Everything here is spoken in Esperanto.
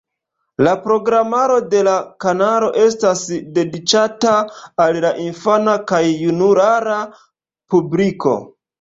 La programaro de la kanalo estas dediĉata al la infana kaj junulara publiko.